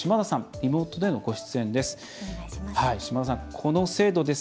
リモートでのご出演です。